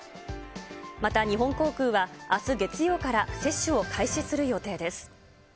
また日本航空は、あす月曜から接種を開始する予定です。